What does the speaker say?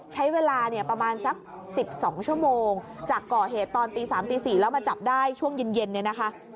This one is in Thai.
ใช้เวลาประมาณสัก๑๒ชั่วโมงจากเกาะเหตุตอน๓๐๐๔๐๐แล้วมาจับได้ช่วงเย็นนะคะ